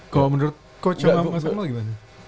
kok menurut coach mas akmal gimana